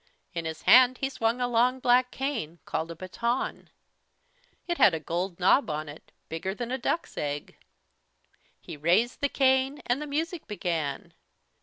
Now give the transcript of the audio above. In his hand he swung a long black cane, called a "baton." It had a gold knob on it, bigger than a duck's egg. He raised the cane and the music began!